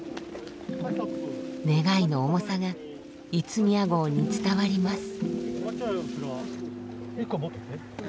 願いの重さが五宮号に伝わります。